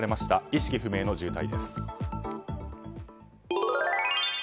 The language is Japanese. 意識不明の重体です。